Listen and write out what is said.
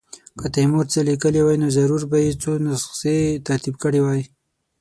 که تیمور څه لیکلي وای نو ضرور به یې څو نسخې ترتیب کړې وای.